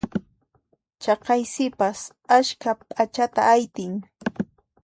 Chaqay sipas askha p'achata aytin.